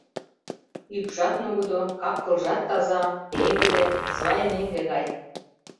Ӱпшат нугыдо, кап-кылжат таза, пеҥгыде, свай меҥге гай.